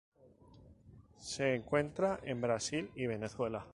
Se encuentra en Brasil y Venezuela.